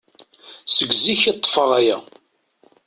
Seg zik i ṭṭfeɣ aya.